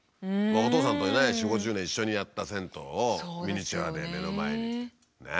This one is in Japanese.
お父さんとね４０５０年一緒にやった銭湯をミニチュアで目の前にねえ。